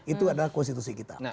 itu adalah konstitusi kita